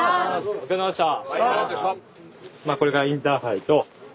お疲れさまでした。